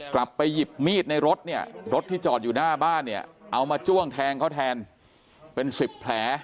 กลับไปหยิบมีดในรถเนี่ยรถที่จอดอยู่หน้าบ้านเนี่ยเอามาจ้วงแทงเขาแทนเป็น๑๐แผล